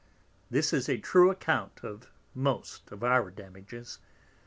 This is a true Account of most of our Damages.